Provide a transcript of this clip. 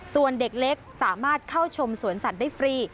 ส่วนเด็กเล็กสามารถเข้าชมสวนสัตว์ได้ฟรี